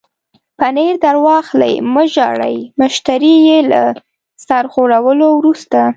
پنیر در واخلئ، مه ژاړئ، مشرې یې له سر ښورولو وروسته.